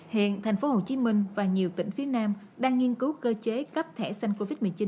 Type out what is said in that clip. hiện thành phố hồ chí minh và nhiều tỉnh phía nam đang nghiên cứu cơ chế cấp thẻ xanh covid một mươi chín